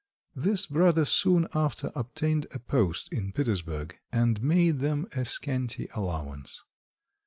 This brother soon after obtained a post in Petersburg, and made them a scanty allowance.